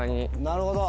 なるほど。